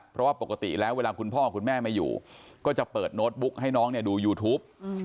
เพราะว่าปกติแล้วเวลาคุณพ่อคุณแม่ไม่อยู่ก็จะเปิดโน้ตบุ๊กให้น้องดูยูทูป